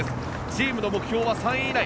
チームの目標は３位以内。